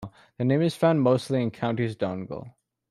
The name is found mostly in Counties Donegal.